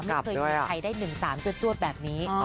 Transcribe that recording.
ไม่เคยมีใครได้๑๓จวดแบบนี้